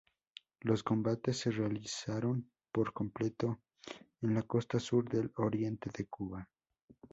Los combates se realizaron por completo en la costa sur del oriente de Cuba.